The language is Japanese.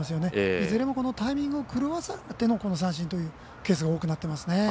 いずれもタイミングを狂わせての三振というケースが多くなっていますね。